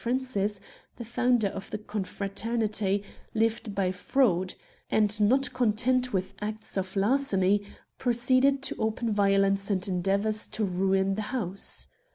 Francis, the founder of the confraternity, lived by fraud ; and not content with acts of larceny, proceeded to open violence and endeavours to ruin the house.